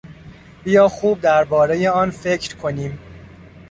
بیا خوب دربارهی آن فکر کنیم.